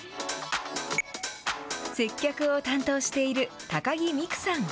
接客を担当している高木未来さん。